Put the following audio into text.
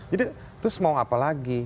jadi terus mau apa lagi